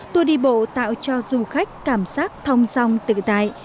tour đi bộ tạo cho du khách cảm giác thong dòng tự tại